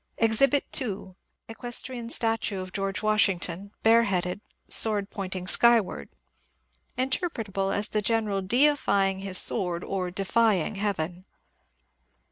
Exhibit 2. Equestrian statue of George Washington, bareheaded, sword pointing skyward, — inter pretable as the general deifying his sword or defying heaven.